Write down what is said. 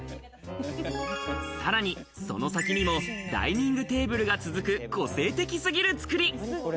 さらに、その先にもダイニングテーブルが続く個性的すぎる作り。